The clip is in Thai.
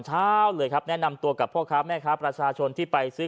เช้าเลยครับแนะนำตัวกับพ่อค้าแม่ค้าประชาชนที่ไปซื้อ